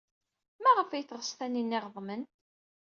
Maɣef ay teɣs Taninna iɣeḍmen?